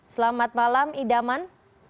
selamat malam idaman